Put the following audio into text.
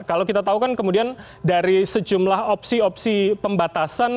kalau kita tahu kan kemudian dari sejumlah opsi opsi pembatasan